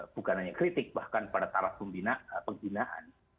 bukan hanya kritik bahkan pada taraf penghinaan